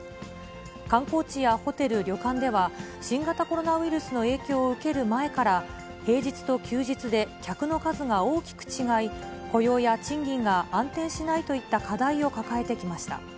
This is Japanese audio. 観光地やホテル、旅館では、新型コロナウイルスの影響を受ける前から、平日と休日で客の数が大きく違い、雇用や賃金が安定しないといった課題を抱えてきました。